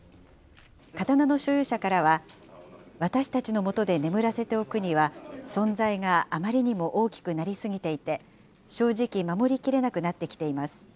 刀の所有者からは、私たちの元で眠らせておくには、存在があまりにも大きくなりすぎていて、正直、守りきれなくなってきています。